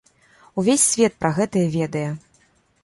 Увесь свет пра гэта ведае.